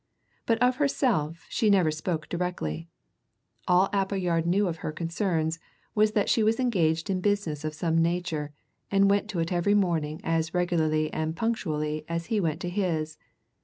But of herself she never spoke directly; all Appleyard knew of her concerns was that she was engaged in business of some nature, and went to it every morning as regularly and punctually as he went to his.